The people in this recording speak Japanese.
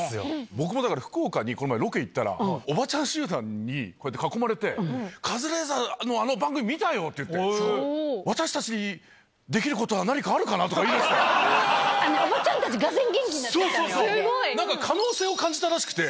僕も、だから、福岡に、この前ロケ行ったら、おばちゃん集団に、こうやって囲まれて、カズレーザーのあの番組見たよっていって、私たち、できることは何かあるかな？とか言いだして。